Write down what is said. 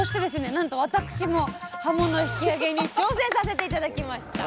なんと私もはもの引き上げに挑戦させて頂きました！